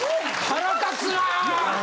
腹立つな！